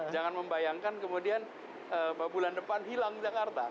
jangan membayangkan kemudian bulan depan hilang jakarta